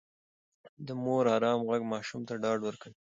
د مور ارام غږ ماشوم ته ډاډ ورکوي.